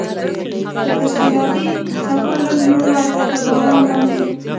تر سیلابي څپو لږ لوړ، تر باران لاندې.